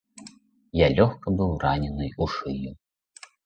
Я лёгка быў ранены ў шыю.